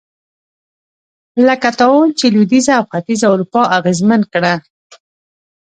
لکه طاعون چې لوېدیځه او ختیځه اروپا اغېزمن کړه.